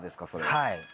はい。